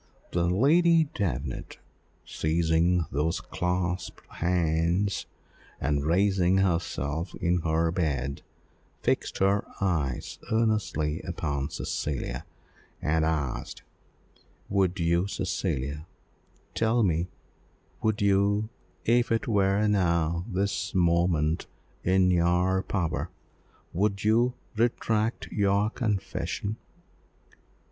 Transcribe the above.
Then Lady Davenant seizing those clasped hands, and raising herself in her bed, fixed her eyes earnestly upon Cecilia, and asked, "Would you, Cecilia tell me, would you if it were now, this moment, in your power would you retract your confession?"